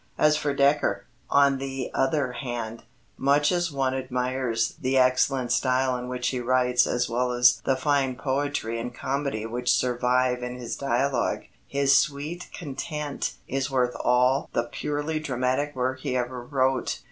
As for Dekker, on the other hand, much as one admires the excellent style in which he writes as well as the fine poetry and comedy which survive in his dialogue, his Sweet Content is worth all the purely dramatic work he ever wrote.